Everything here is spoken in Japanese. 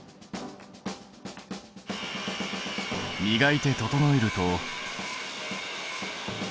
みがいて整えると。